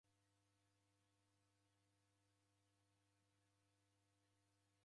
W'ana w'amu w'a skulu w'enonwa.